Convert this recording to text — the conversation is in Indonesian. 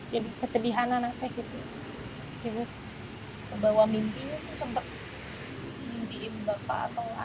jadi kesedihan anaknya gitu iwet kebawah mimpinya tuh sebab mimpiin bapak atau